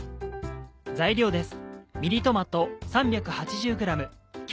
材料です。